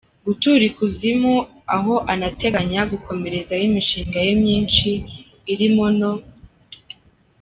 gutura ikuzimu aho anateganya gukomerezayo imishinga ye myinshi irimo no.